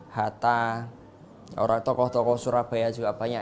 hatta orang tokoh tokoh surabaya juga banyak